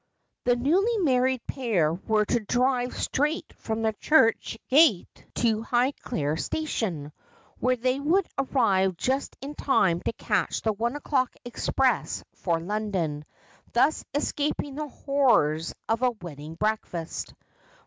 The newly married pair were to drive straight from the church gate to Highclere station, where they would arrive just in time to catch the one o'clock express for London, thus escaping the horrors of a wedding breakfast.